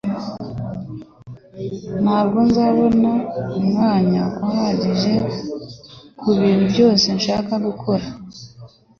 Ntabwo nzabona umwanya uhagije kubintu byose nshaka gukora